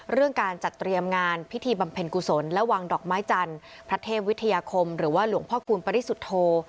เรื่องการจัดเตรียมงานพิธีบำเพ็ญกุศลและวางดอกไม้จันทร์พระเทพวิทยาคมหรือว่าหลวงพ่อคูณปริสุทธโธ